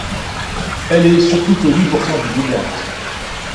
Elle est surtout connue pour faire du doublage.